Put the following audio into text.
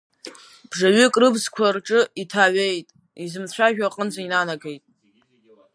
Бжаҩык рыбзқәа рҿы иҭаҩеит, изымцәажәо аҟынӡа инанагеит.